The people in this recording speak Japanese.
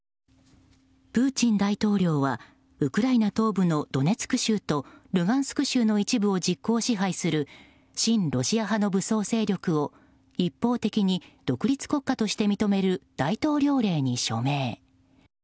プーチン大統領はウクライナ東部のドネツク州とルガンスク州の一部を実効支配する親ロシア派の武装勢力を一方的に独立国家として認める大統領令に署名。